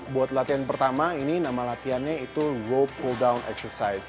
buat latihan pertama ini nama latihannya itu ropel down exercise